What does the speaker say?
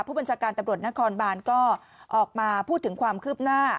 ผู้บัญชาการตำรวจนครบานก็ออกมาพูดถึงความคืบหน้า